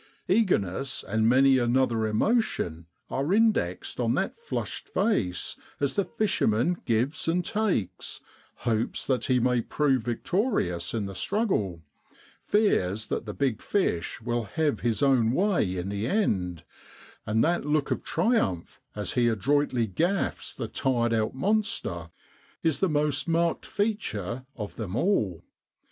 Eagerness and many another emotion are indexed on that flushed face as the fisherman gives and takes, hopes that he may prove victorious in the struggle, fears that the big fish will have his own way in the end, and that look of triumph, as he adroitly gaffs the tired out monster, is the most marked feature of them all.